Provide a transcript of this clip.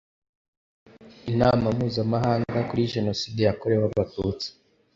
Inama Mpuzamahanga kuri Jenoside yakorewe Abatutsi